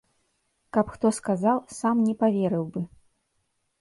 Каб хто сказаў, сам не паверыў бы.